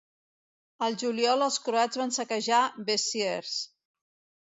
El juliol els croats van saquejar Besiers.